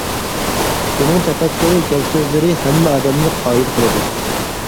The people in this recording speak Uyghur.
ئۇنىڭ تەپەككۇرى، گەپ-سۆزلىرى ھەممە ئادەمنى قايىل قىلىدۇ.